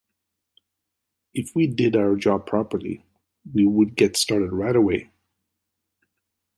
If we did our job properly, we would get started right away.